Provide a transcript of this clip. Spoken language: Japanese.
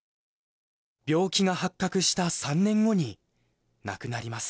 病気が発覚した３年後に亡くなります。